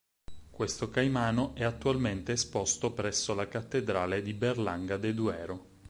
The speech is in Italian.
Questo caimano è attualmente esposto presso la cattedrale di Berlanga de Duero.